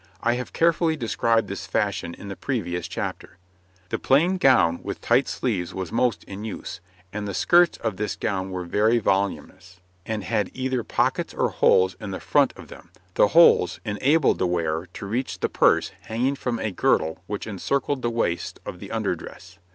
I have carefully described this fashion in the previous chapter. [Illustration: {A woman of the time of Edward III.}] The plain gown with tight sleeves was most in use, and the skirts of this gown were very voluminous, and had either pockets or holes in the front of them; the holes enabled the wearer to reach the purse hanging from a girdle which encircled the waist of the under dress.